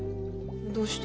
どうして？